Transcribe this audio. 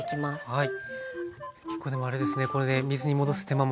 はい。